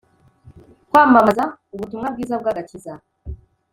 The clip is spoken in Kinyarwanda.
Kwamamaza ubutumwa bwiza bw agakiza